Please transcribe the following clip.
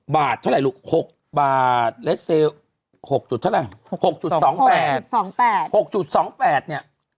๖บาทเท่าไหร่ลูก๖๒๘เนี่ย